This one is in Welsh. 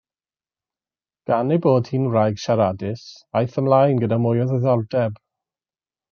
Gan ei bod hi'n wraig siaradus, aeth ymlaen gyda mwy o ddiddordeb.